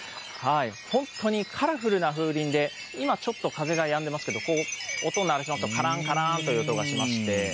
本当にカラフルな風鈴で、今、ちょっと風がやんでますけど、音鳴らしますと、からんからんという音がしまして。